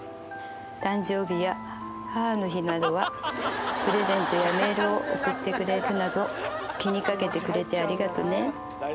誕生日や母の日などは、プレゼントやメールを送ってくれるなど、気にかけてくれてありがとね。